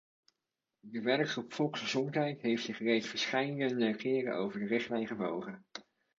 De werkgroep volksgezondheid heeft zich reeds verscheidene keren over de richtlijn gebogen.